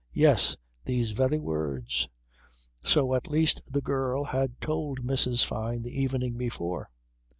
Yes, these very words! So at least the girl had told Mrs. Fyne the evening before.